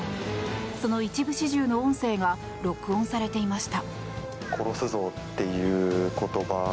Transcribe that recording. その一部始終の音声が録音されていました。